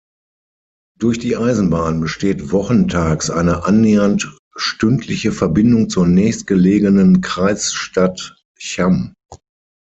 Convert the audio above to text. Durch die Eisenbahn besteht wochentags eine annähernd stündliche Verbindung zur nächstgelegenen Kreisstadt Cham.